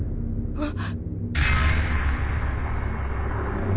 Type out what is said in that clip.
あっ！